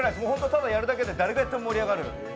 ただやるだけで誰がやっても盛り上がる。